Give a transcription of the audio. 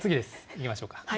いきましょうか。